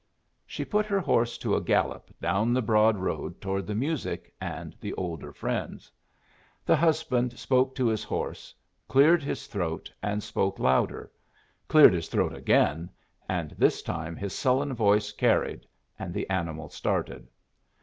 She put her horse to a gallop down the broad road toward the music and the older friends. The husband spoke to his horse, cleared his throat and spoke louder, cleared his throat again and this time his sullen voice carried, and the animal started.